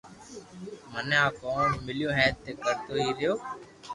مني آ ڪوم ميليو ھي تو ڪرتو ھي رھيو